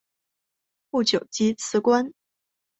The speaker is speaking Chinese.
不久即辞官。